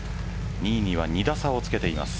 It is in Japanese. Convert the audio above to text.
２位には２打差をつけています。